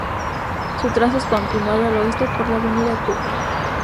Su trazo es continuado al oeste por la avenida Cuba.